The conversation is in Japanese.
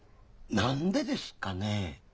何でですかね？